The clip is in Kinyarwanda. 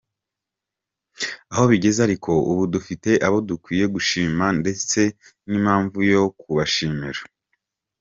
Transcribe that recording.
Aho bigeze ariko ubu, dufite abo dukwiye gushima ndetse n’impamvu yo kubashimira!